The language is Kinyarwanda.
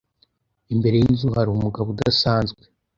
Imbere yinzu hari umugabo udasanzwe.